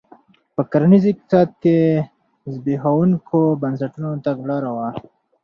په کرنیز اقتصاد کې د زبېښونکو بنسټونو تګلاره وه.